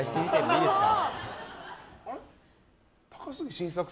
いいですね。